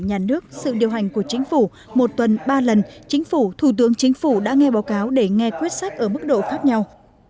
nhà nước sự điều hành của chính phủ một tuần ba lần chính phủ thủ tướng chính phủ đã nghe báo cáo để nghe quyết sách ở mức độ khác nhau